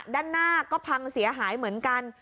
ด้านหน้าก็พังเสียหายเหมือนกัน